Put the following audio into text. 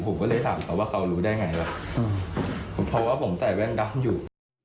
ผมก็เลยถามเขาว่าเขารู้ได้ไงว่ะเพราะว่าผมใส่แว่นดำอยู่